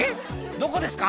どこですか？」